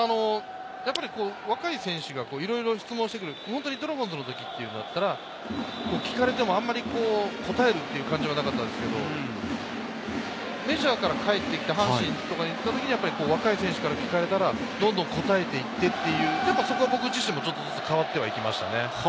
やっぱり若い選手がいろいろ質問してくる、ドラゴンズのときというのは聞かれても、あんまり答えるって感じはなかったんですけれど、メジャーから帰ってきた、阪神に行ったときは、若い選手から聞かれたら、どんどん答えていってという僕自身もちょっとずつ変わっていきましたね。